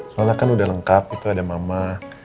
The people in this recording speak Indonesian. soalnya kan udah lengkap itu ada mama